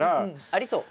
ありそう！